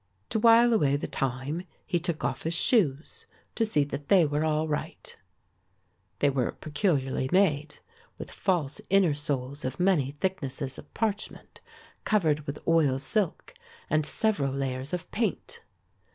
To while away the time he took off his shoes to see that they were all right. They were peculiarly made, with false inner soles of many thicknesses of parchment, covered with oil silk and several layers of paint.